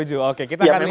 setuju oke kita akan lihat